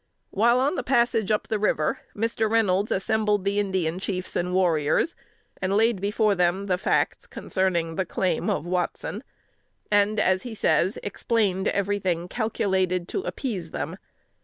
While on the passage up the river, Mr. Reynolds assembled the Indian chiefs and warriors, and laid before them the facts concerning the claim of Watson, and, as he says, "explained every thing calculated to appease them."